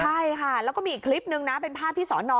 ใช่ค่ะแล้วก็มีอีกคลิปนึงนะเป็นภาพที่สอนอ